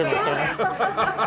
ハハハハハ。